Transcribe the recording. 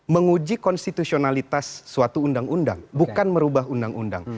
menguji konstitusionalitas suatu undang undang bukan merubah undang undang